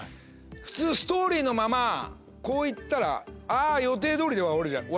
普通ストーリーのままこう行ったら予定通りで終わるじゃん。